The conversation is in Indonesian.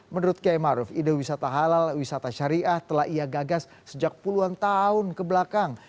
menurut kiai maruf ide wisata halal wisata syariah telah ia gagas sejak puluhan tahun kebelakang